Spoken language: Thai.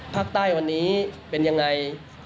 ภาคใต้วันนี้เป็นยังไง